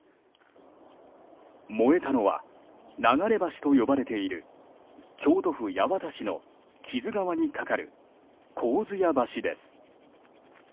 燃えたのは流れ橋と呼ばれている京都府八幡市の木津川に架かる上津屋橋です。